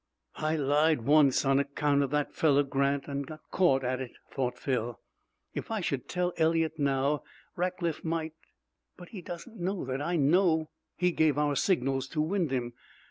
"I lied once on account of that fellow Grant, and got caught at it," thought Phil. "If I should tell Eliot now, Rackliff might But he doesn't know that I know he gave our signals to Wyndham.